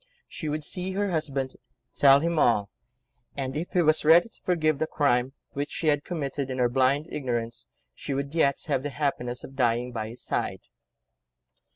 She would see her husband, tell him all, and, if he was ready to forgive the crime, which she had committed in her blind ignorance, she would yet have the happiness of dying by his side.